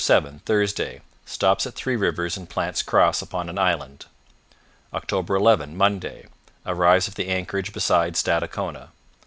7 Thursday Stops at Three Rivers, and plants cross upon an island. " 11 Monday Arrives at the anchorage beside Stadacona.